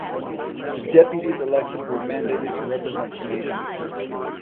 The deputies elected were mandated to represent the nation.